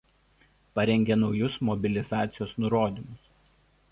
Parengė naujus mobilizacijos nurodymus.